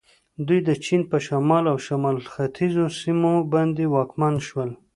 دوی د چین په شمال او شمال ختیځو سیمو باندې واکمن شول.